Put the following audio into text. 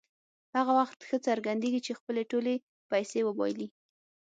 هغه وخت ښه څرګندېږي چې خپلې ټولې پیسې وبایلي.